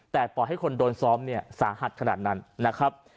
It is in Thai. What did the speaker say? แต่ปล่อยให้คนโดนซ้อมเนี่ยสาหัสขนาดนั้นนะครับ